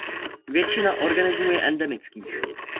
Většina organismů je endemických.